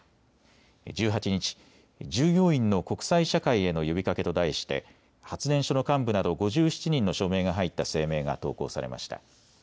１８日、従業員の国際社会への呼びかけと題して発電所の幹部など５７人の署名が入った声明が投稿されました。